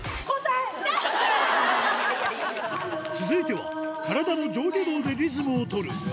続いては体の上下動でリズムを取る